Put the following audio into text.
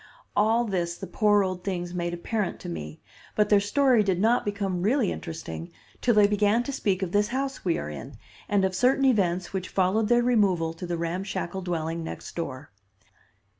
All this the poor old things made apparent to me, but their story did not become really interesting till they began to speak of this house we are in, and of certain events which followed their removal to the ramshackle dwelling next door.